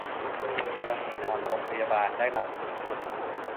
กรณีนอนโรงพยาบาลได้รับสูงสุด